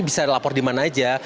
bisa dilapor dimana aja